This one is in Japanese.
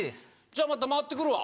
じゃあまた回って来るわ。